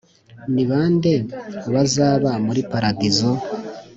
Ni ba nde bazaba muri paradizo?